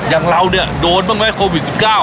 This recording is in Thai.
อย่างเราเนี่ยโดนบ้างไหมโควิด๑๙